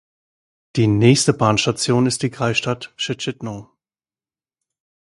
Die nächste Bahnstation ist die Kreisstadt Szczytno.